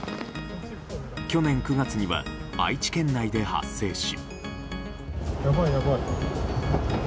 去年９月には愛知県内で発生し。